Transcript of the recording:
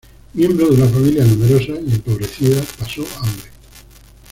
Miembro de una familia numerosa y empobrecida, pasó hambre.